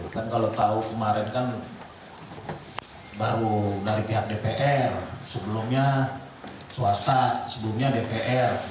kan kalau tahu kemarin kan baru dari pihak dpr sebelumnya swasta sebelumnya dpr